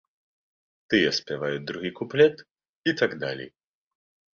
Тыя спяваюць другі куплет і так далей.